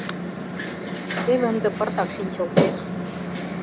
Теве ынде пыртак шинчылтеш.